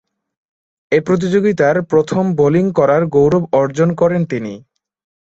এ প্রতিযোগিতার প্রথম বোলিং করার গৌরব অর্জন করেন তিনি।